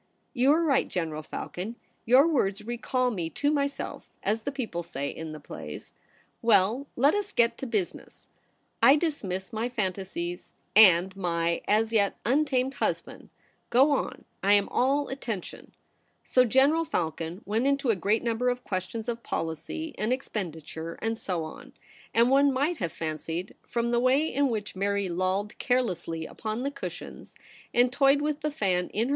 ' You are right, General Falcon ; your words recall me to myself, as the people say in the plays. Well, let us get to business. I dismiss my phantasies and my, as yet, un tamed husband. Go on, I am all attention.' So General Falcon went into a great number of questions of policy and expendi ture, and so on ; and one might have fancied, from the way in which Mary lolled carelessly upon the cushions and toyed with the fan in THE PRINCESS AT HOME.